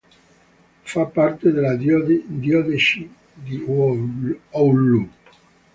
Fa parte della diocesi di Oulu.